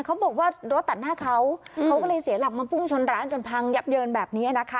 เขาบอกว่ารถตัดหน้าเขาเขาก็เลยเสียหลักมาพุ่งชนร้านจนพังยับเยินแบบนี้นะคะ